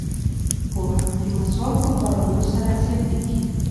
پوهه د مسواک په کارولو سره زیاتیږي.